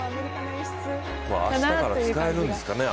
明日から使えるんですかね